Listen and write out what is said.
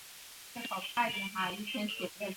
顾全武终官指挥使。